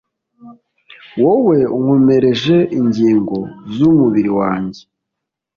wowe unkomereje ingingo z’umubiri wanjye